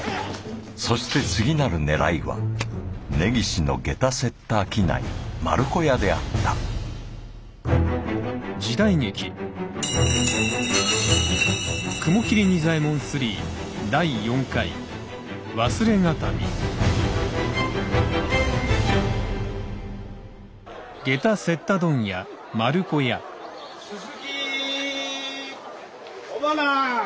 そして次なる狙いは根岸の下駄雪駄商い丸子屋であったすすき尾花！